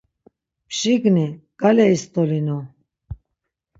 Pşigni, gale istolinu.